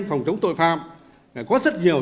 phòng chống tội phạm có rất nhiều